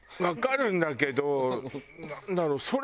わかるんだけどなんだろう。